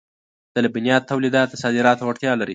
د لبنیاتو تولیدات د صادراتو وړتیا لري.